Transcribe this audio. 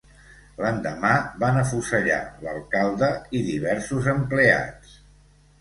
L'endemà van afusellar l'alcalde i diversos empleats.